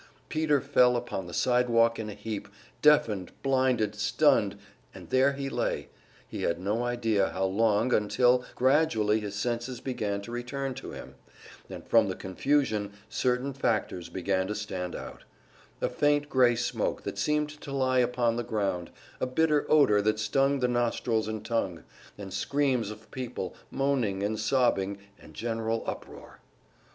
Peter fell upon the sidewalk in a heap, deafened, blinded, stunned; and there he lay he had no idea how long until gradually his senses began to return to him, and from the confusion certain factors began to stand out: a faint gray smoke that seemed to lie upon the ground, a bitter odor that stung the nostrils and tongue, and screams of people, moaning and sobbing and general uproar.